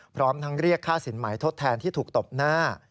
พร้อมทั้งเรียกค่าสินใหม่ทดแทนที่ถูกตบหน้า